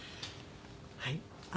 はい。